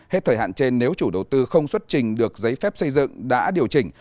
hết thời hạn trên nếu chủ đầu tư không xuất trình được giấy phép xây dựng đã điều chỉnh